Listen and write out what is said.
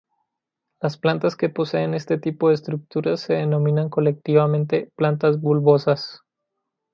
Las plantas que poseen este tipo de estructuras se denominan colectivamente plantas bulbosas.